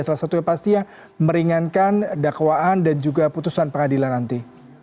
salah satunya pasti yang meringankan dakwaan dan juga putusan pengadilan nanti